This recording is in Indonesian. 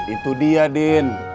itu dia din